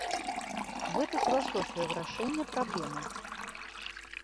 Гэта філасофія вырашэння праблемы.